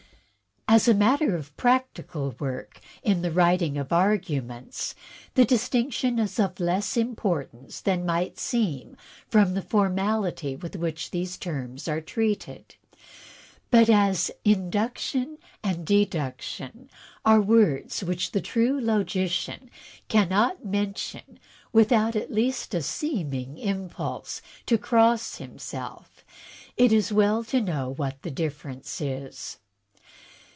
As a matter of practical work in the writing of arguments, the distinction is of less importance than might seem from the formality with which these terms are treated; but as Induction and Deduction are words which the true logician cannot mention without at least a seeming impulse to cross himself, it is well to know what the difference is.